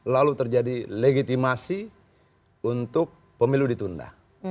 lalu terjadi legitimasi untuk pemilu ditunda